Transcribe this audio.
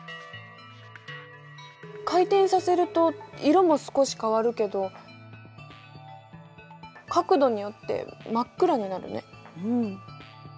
回転させると色も少し変わるけど角度によって真っ暗になるね。